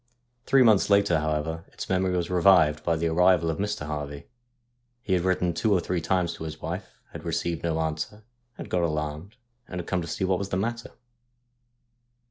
Three months later, however, its memory was revived by the arrival of Mr. Harvey. He had written two or three times to his wife, had received no answer, had got alarmed, and had come to see what was the matter.